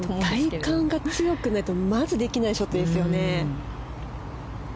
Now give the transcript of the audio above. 体幹が強くないとまずできないショットですね。